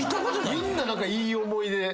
みんないい思い出。